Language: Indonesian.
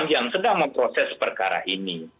yang sedang memproses perkara ini